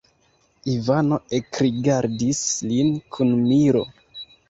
Ivano ekrigardis lin kun miro.